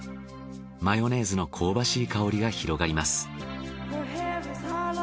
マヨネーズの香ばしい香りが広がります。